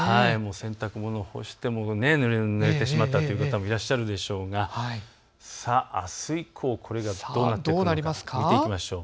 洗濯物を干してもぬれてしまったという方もいらっしゃるでしょうがあす以降、これがどうなっていくのか見ていきましょう。